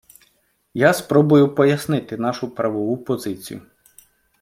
Я спробую пояснити нашу правову позицію.